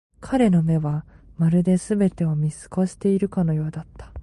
彼の目は、まるで全てを見透かしているかのようだった。